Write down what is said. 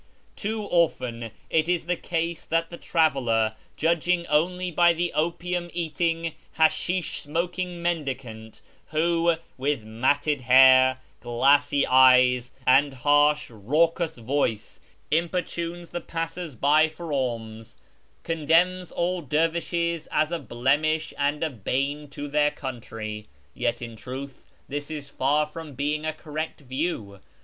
Too often is it the case that the traveller, judging only by the opium eating, hashish smoking mendicant, who, with matted hair, glassy eyes, and harsh, raucous voice, importunes the passers by for alms, con demns all dervishes as a blemish and a bane to their country. Yet in truth this is far from being a correct view.